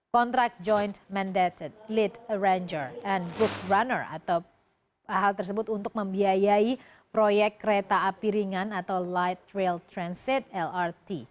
kontrak joint mandated lead arranger and group runner atau hal tersebut untuk membiayai proyek kereta api ringan atau light rail transit lrt